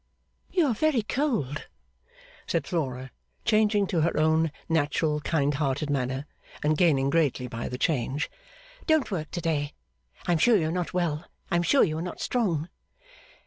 'You are very cold,' said Flora, changing to her own natural kind hearted manner, and gaining greatly by the change. 'Don't work to day. I am sure you are not well I am sure you are not strong.